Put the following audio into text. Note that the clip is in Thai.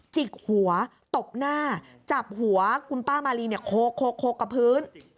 จิกหัวตบหน้าจับหัวคุณป้ามาลีเนี่ยโคกกับพื้น